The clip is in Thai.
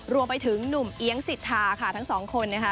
รวมไปถึงหนุ่มเอี๊ยงสิทธาค่ะทั้งสองคนนะคะ